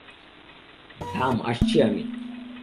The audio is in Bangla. থাম আসছি আমি।